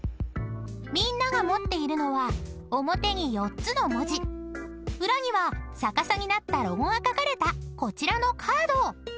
［みんなが持っているのは表に４つの文字裏には逆さになったロゴが描かれたこちらのカード］